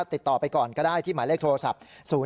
ติดต่อไปก่อนก็ได้ที่หมายเลขโทรศัพท์๐๔